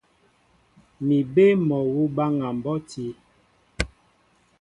Mi bé mol awǔ baŋa mbɔ́ti.